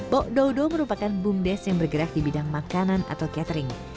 bok dodo merupakan bumdes yang bergerak di bidang makanan atau catering